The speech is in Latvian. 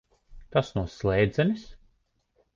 Tas no slēdzenes?